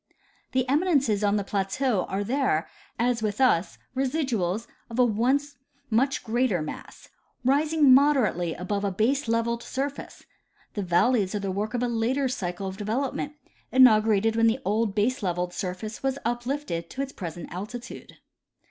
The eminences on the plateau are there, as 'with us, residuals of a once much greater mass, rising moderately above a base levelled surface ; the valleys are the work of a later cycle of development, inaugurated when the old baselevelled surface was uplifted to its present altitude.